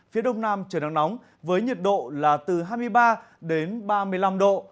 phía đông nam trời nắng nóng với nhiệt độ là từ hai mươi ba đến ba mươi năm độ